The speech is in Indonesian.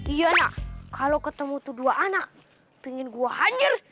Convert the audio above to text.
iya nak kalau ketemu tuh dua anak pingin gua hanyur